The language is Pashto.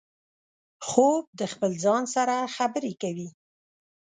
خوب د خپل ځان سره خبرې دي